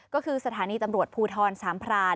ก็คือสถานีตำรวจภูทรสามพราน